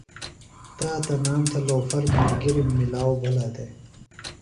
۔تا تنام تھےۡ لوفر ملگِرم ملاؤ بِھلہ دےۡ۔